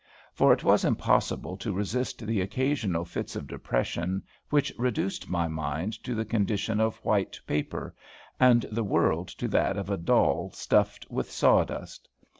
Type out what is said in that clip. For it was impossible to resist the occasional fits of depression which reduced my mind to the condition of white paper, and the world to that of a doll stuffed with sawdust.